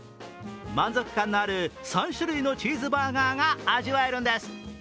満足感のある３種類のチーズバーガーが味わえるんです。